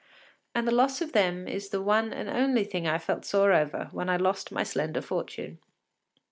” And the loss of them is the one and only thing I felt sore over when I lost my slender fortune.